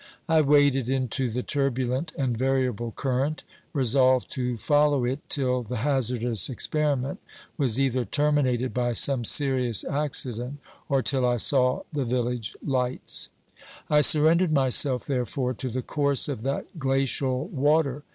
I waded into the turbulent and variable current, resolved to follow 398 OBERMANN it till the hazardous experiment was either terminated by some serious accident, or till I saw the village lights. I surrendered myself, therefore, to the course of that glacial water.